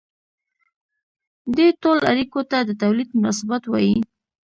دې ډول اړیکو ته د تولید مناسبات وايي.